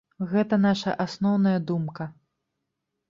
Гэта наша асноўная думка.